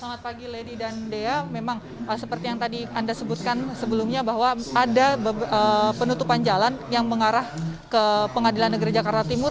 selamat pagi lady dan dea memang seperti yang tadi anda sebutkan sebelumnya bahwa ada penutupan jalan yang mengarah ke pengadilan negeri jakarta timur